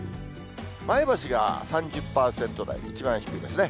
前橋が３０％台、一番低いですね。